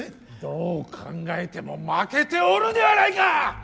どう考えても負けておるではないか！